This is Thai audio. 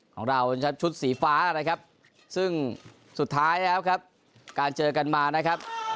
ของเราเป็นชัดชุดสีฟ้านะครับซึ่งสุดท้ายแล้วครับการเจอกันมานะครับ